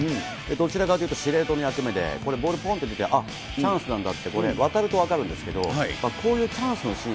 どちらかというと司令塔の役目で、これ、ボールぽんと見て、チャンスなんだって、これ、渡ると分かるんですけど、こういうチャンスのシーン